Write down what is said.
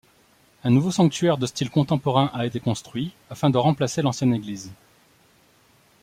Un nouveau sanctuaire de style contemporain a été construit afin de remplacer l'ancienne église.